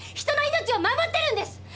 人の命を守ってるんです！